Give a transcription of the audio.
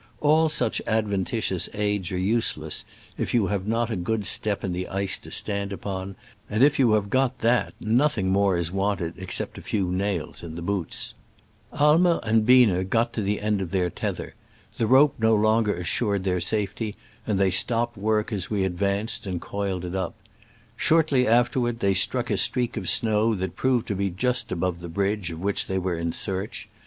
All such adventitious aids are useless if you have not a good step in the ice to stand upon, and if you have got that nothing more is wanted except a few nails in the boots. Digitized by Google SCRAMBLES AMONGST THE ALPS IN i86o '69. ^37 Aimer and Biener got to the end of their tether : the rope no longer assured their safety, and they stopped work as we advanced and coiled it up. Shortly afterward they struck a streak of snow that proved to be just above the bridge of which they were in search.